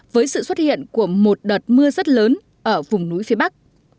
với sự xuất hiện của một đợt mưa rất lớn ở vùng núi phía bắc